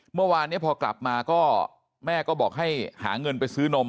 เมื่อวานนี้พอกลับมาก็แม่ก็บอกให้หาเงินไปซื้อนม